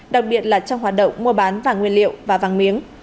đặc biệt là trong hoạt động mua bán vàng nguyên liệu và vàng miếng